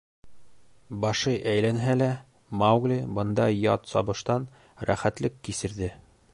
Башы әйләнһә лә, Маугли бындай ят сабыштан рәхәтлек кисерҙе.